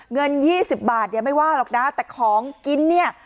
เงิน๒๐บาทเนี่ยไม่ว่าหรอกนะแต่ของกินเนี่ย